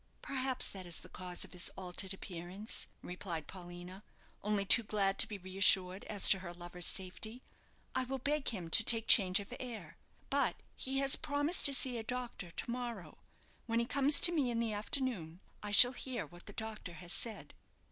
"Perhaps that is the cause of his altered appearance," replied Paulina, only too glad to be reassured as to her lover's safety. "I will beg him to take change of air. But he has promised to see a doctor to morrow: when he comes to me in the afternoon I shall hear what the doctor has said."